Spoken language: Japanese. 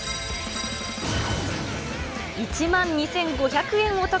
１万２５００円お得。